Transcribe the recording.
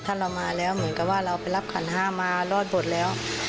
ถ้าเรามาแล้วเหมือนกับว่าเราไปรับขันห้ามารอดหมดแล้ว